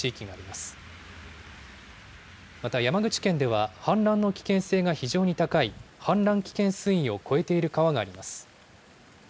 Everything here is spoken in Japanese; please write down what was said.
また山口県では、氾濫の危険性が非常に高い氾濫危険水位を超えている川があります。